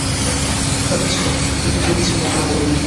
হয়তো ছিল না, কিন্তু তুমি ছিলে আমার ভালো বন্ধু।